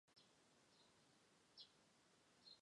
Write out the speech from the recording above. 曾经是苏联飞船的制造基地。